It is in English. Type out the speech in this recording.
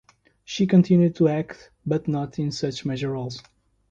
She continued to act but not in such major roles.